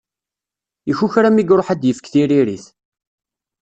Ikukra mi iruḥ ad d-yefk tiririt.